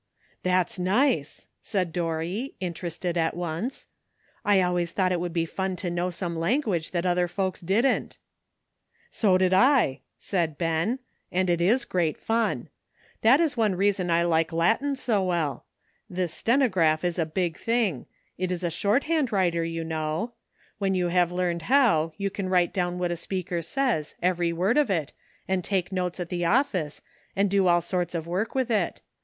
" That's nice," said D^orry, interested at once ;*^ I always thought it would be fun to know some language that other folks didn't/' " So did I," said Ben, ''and it is great fun. That is one reason I like Latin so well. This 840 "LUCK." stenograph is a big thing; it is a shorthand writer, you know. When you have learned how, you can write down what a speaker says, every word of it, and take notes at the office, and do all sorts of work with it.